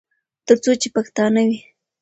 تر څو چې پښتانه وي.